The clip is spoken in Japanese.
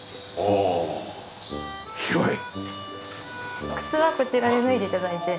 お靴はこちらで脱いで頂いて。